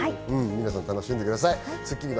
皆さん、楽しんでください。